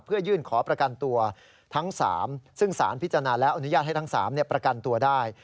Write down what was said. เพื่อยื่นขอประกันตัวทั้ง๓ซึ่งสารพิจารณาแล้วอนุญาตให้ทั้ง๓ประกันตัวได้